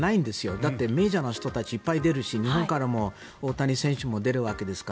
だってメジャーの人たちいっぱい出るし、日本からも大谷選手も出るわけですから。